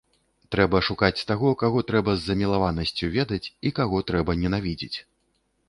Трэба шукаць таго, каго трэба з замілаванасцю ведаць і каго трэба ненавідзець.